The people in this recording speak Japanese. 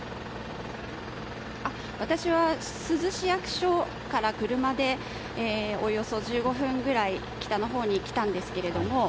私は珠洲市役所から車でおよそ１５分ほど北に来たんですけれども。